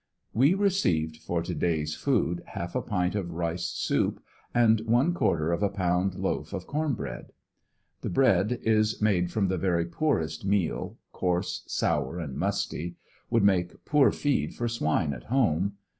We received for to day's food half a pint of rice soup and one quarter of a pound loaf of corn bread The bread is made from the very poorest meal, coarse, sour and musty; would make poor feed for swine at home.